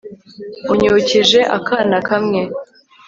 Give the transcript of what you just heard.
unyibukije akana kamwe